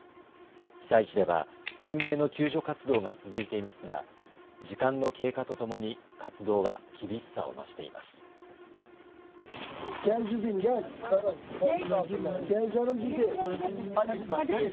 被災地では懸命の救助活動が続いていますが時間の経過とともに活動は厳しさを増しています。